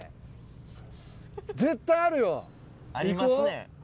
ありますね。